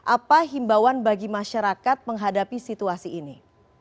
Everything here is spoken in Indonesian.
apa himbauan bagi masyarakat menghadapi situasi ini